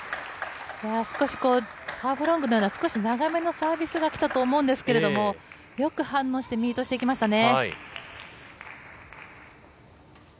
少しハーフロングのような少し長めのサービスが来たと思うんですが良く反応してミートしていきましたね。